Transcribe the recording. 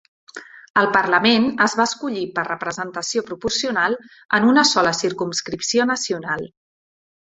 El Parlament es va escollir per representació proporcional en una sola circumscripció nacional.